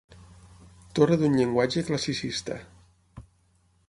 Torre d'un llenguatge classicista.